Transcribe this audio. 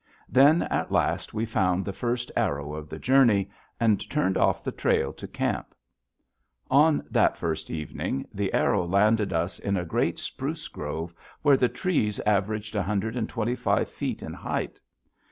Then, at last, we found the first arrow of the journey, and turned off the trail to camp. On that first evening, the arrow landed us in a great spruce grove where the trees averaged a hundred and twenty five feet in height.